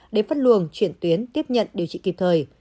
để phân luồng chuyển tuyến tiếp nhận điều trị kịp thời